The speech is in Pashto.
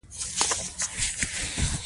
په حيرانۍ يې وويل: دا دې څه کړي؟